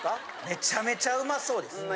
めちゃめちゃうまそう。